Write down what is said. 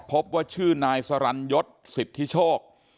พบว่าชื่อนายสรรยศสิทธิโชค